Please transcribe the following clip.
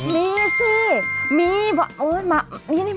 มีสิมีมาฟังกันได้ไหม